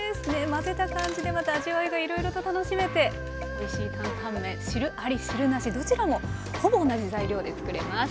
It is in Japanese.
混ぜた感じでまた味わいがいろいろと楽しめておいしい担々麺汁あり汁なしどちらもほぼ同じ材料で作れます。